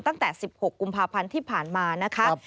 ตั้งแต่๑๖กุมภาพันธ์ที่ผ่านมานะคะ